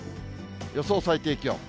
予想最低気温。